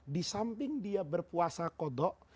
di samping dia berpuasa kodok